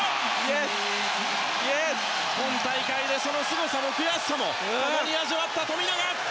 今大会でそのすごさも、悔しさも共に味わった富永！